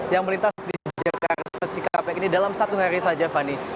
yang melintas di jakarta cikampek ini dalam satu hari saja fani